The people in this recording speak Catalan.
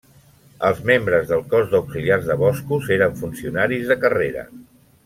Els membres del Cos d'Auxiliars de Boscos eren funcionaris de carrera.